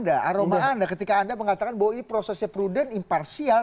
aroma anda ketika anda mengatakan bahwa ini prosesnya prudent imparsial